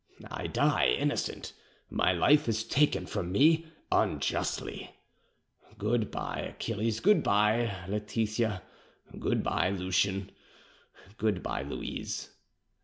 I die innocent; my life is taken from me unjustly. "Good bye, Achilles good bye, Laetitia; goodbye, Lucien; good bye, Louise.